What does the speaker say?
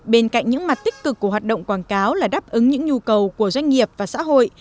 bên cạnh những mặt tích cực của hoạt động quảng cáo là đáp ứng những nhu cầu của doanh nghiệp và xã hội